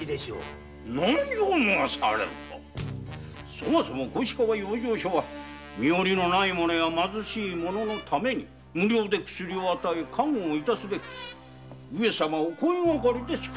そもそも小石川養生所は身寄りのない者や貧しい者のために無料で薬を与え看護を致すべく上様お声がかりでつくられたもの。